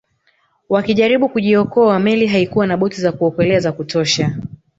Wakijaribu kujiokoa meli haikuwa na boti za kuokolea za kutosha